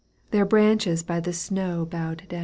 Their branches by the snow bowed down.